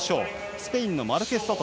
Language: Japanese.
スペインのマルケスソト。